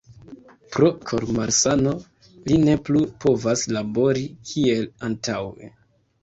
Pro kor-malsano li ne plu povas labori kiel antaŭe.